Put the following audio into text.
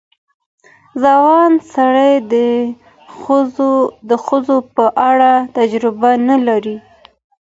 ځوان سړی د ښځو په اړه تجربه نه لري.